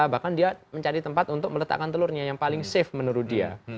bahkan dia mencari tempat untuk meletakkan telurnya yang paling safe menurut dia